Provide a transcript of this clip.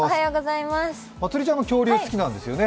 まつりちゃんも恐竜好きなんですよね？